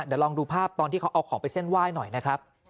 เดี๋ยวลองดูภาพตอนที่เขาเอาของไปเส้นไหว้หน่อยนะครับ